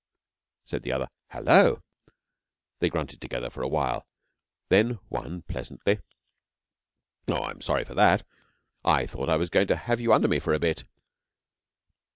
Said the other: 'Hullo!' They grunted together for a while. Then one pleasantly: 'Oh, I'm sorry for that! I thought I was going to have you under me for a bit.